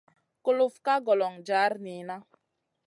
Kulufna ka golon jar niyna.